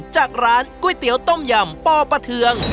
จากร้านก๋วยเตี๋ยวต้มยำปอปะเทือง